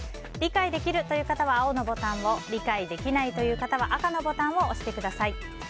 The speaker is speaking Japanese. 理解できるという方は青のボタンを理解できないという方は赤のボタンを押してください。